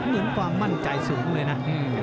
เงินความมั่นใจสูงเลยนะ